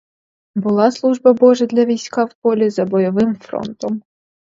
Була служба божа для війська в полі за бойовим фронтом.